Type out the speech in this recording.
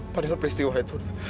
padahal peristiwa itu